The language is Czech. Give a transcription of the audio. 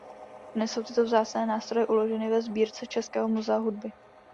Dnes jsou tyto vzácné nástroje uloženy ve sbírce Českého muzea hudby.